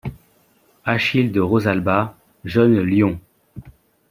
Achille de Rosalba , jeune lion.